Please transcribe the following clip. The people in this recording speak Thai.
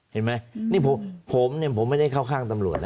เห็นไหมนี่ผมเนี่ยผมไม่ได้เข้าข้างตำรวจนะ